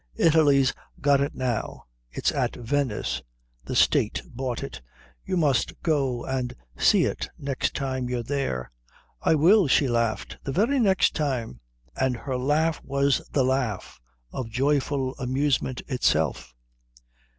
"Italy's got it now. It's at Venice. The State bought it. You must go and see it next time you're there." "I will," she laughed, "the very next time." And her laugh was the laugh of joyful amusement itself.